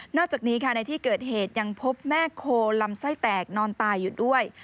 อกจากนี้ค่ะในที่เกิดเหตุยังพบแม่โคลำไส้แตกนอนตายอยู่ด้วย